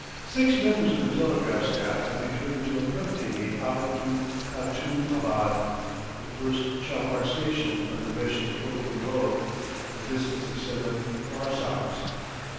Six members of the telegraph staff have determined to accompany me out to Katoum abad, the first chapar station on the Meshed pilgrim road, a distance of seven farsakhs.